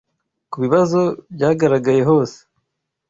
ku bibazo byagaragaye hose